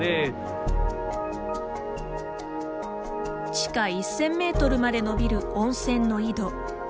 地下１，０００メートルまでのびる温泉の井戸。